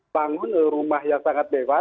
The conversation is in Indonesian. bangun rumah yang sangat bebas